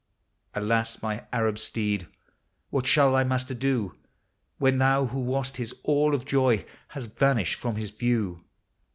alas! my Arab steed! what shall thy master do, When thou, who wast his all of joy, hast vanished from his view?